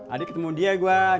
adik ketemu dia gua